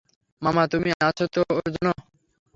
মামা, তুমি আছো তো ওর জন্য।